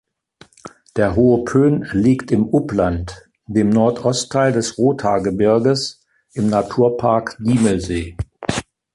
Der "Hohe Pön" liegt im Upland, dem Nordostteil des Rothaargebirges, im Naturpark Diemelsee.